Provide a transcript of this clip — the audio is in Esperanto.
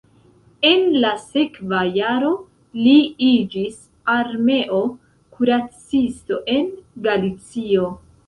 En la sekva jaro li iĝis armeo kuracisto en Galicio.